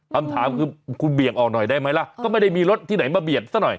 คำถามคือคุณเบี่ยงออกหน่อยได้ไหมล่ะก็ไม่ได้มีรถที่ไหนมาเบียดซะหน่อย